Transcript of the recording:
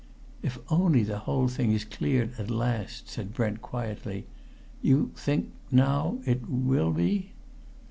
"If only the whole thing is cleared ... at last," said Brent quietly. "You think ... now ... it will be?"